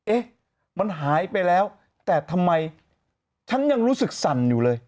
เอ๊ะมันหายไปแล้วแต่ทำไมฉันยังรู้สึกสั่นอยู่เลย